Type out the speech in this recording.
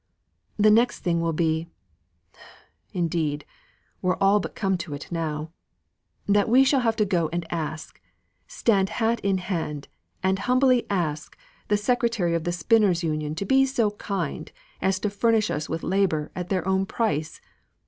The next thing will be indeed, we've all but come to it now that we shall have to go and ask stand hat in hand and humbly ask the secretary of the Spinner's Union to be so kind as to furnish us with labour at their own price.